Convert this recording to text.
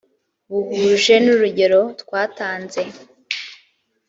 buhuje n urugero twatanze